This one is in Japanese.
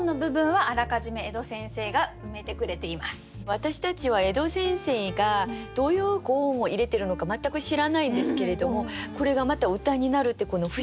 私たちは江戸先生がどういう五音を入れてるのか全く知らないんですけれどもこれがまた歌になるって不思議なんですよね。